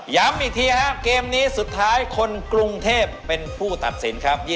ย้ำอีกทีครับเกมนี้สุดท้ายคนกรุงเทพเป็นผู้ตัดสินครับ